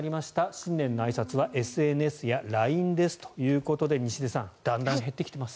新年のあいさつは、ＳＮＳやＬＩＮＥですということで西出さんだんだん減ってきています。